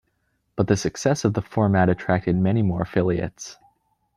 But the success of the format attracted many more affiliates.